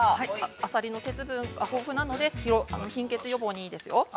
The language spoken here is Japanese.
◆あさりの鉄分は豊富なので、貧血予防にいいですよ。